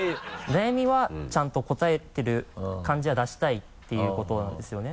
悩みはちゃんと答えてる感じは出したいっていうことなんですよね。